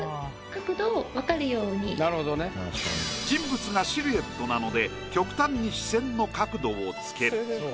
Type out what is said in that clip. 人物がシルエットなので極端に視線の角度をつける。